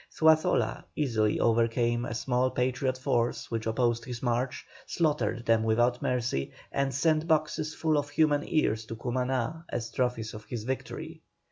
Zuazola easily overcame a small Patriot force which opposed his march, slaughtered them without mercy, and sent boxes full of human ears to Cumaná as trophies of his victory.